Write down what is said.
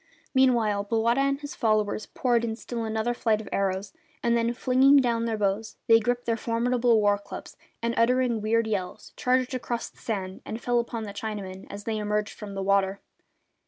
Meanwhile Bowata and his followers poured in still another flight of arrows, and then, flinging down their bows, they gripped their formidable war clubs and, uttering weird yells, charged across the sand and fell upon the Chinamen as they emerged from the water.